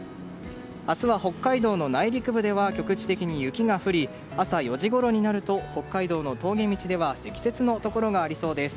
明日は北海道の内陸部では局地的に雪が降り朝４時頃になると北海道の峠道では積雪のところがありそうです。